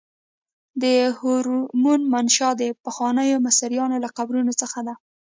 د هرمونو منشا د پخوانیو مصریانو له قبرونو څخه ده.